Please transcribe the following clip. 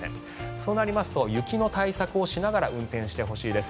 そうなりますと雪の対策をしながら運転してほしいです。